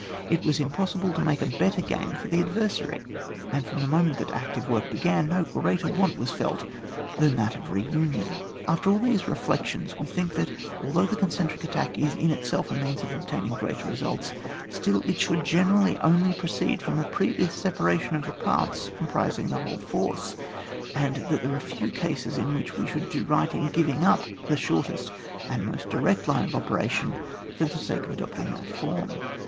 It was impossible to make a Setter game for the adTersary. And from the moment that active work began, no greater want was felt than that of re union. After all these reflections, we think that although the concentric attack is in itself a means of obtaining greater re sults, still it should generally only pro ceed from a previous separation of the parts composing the whole force, and that there are few cases in which we should do right in giving up the shortest and most direct line of operation for the sake of adopting that form.